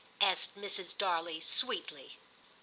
" asked Mrs. Darley sweetly.